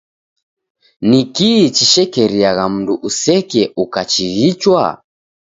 Nikii chishekeriagha mndu useke ukachighichwa?